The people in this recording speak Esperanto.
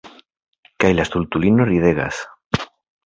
Kaj la stultulino ridegas.